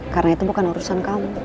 karena itu bukan urusan kamu